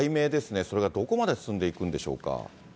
それがどこまで進んでいくんでしょうか。